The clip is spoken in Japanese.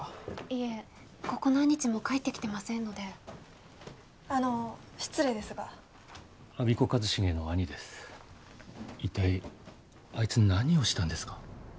いえここ何日も帰ってきてませんのであの失礼ですが我孫子和重の兄です一体あいつ何をしたんですか？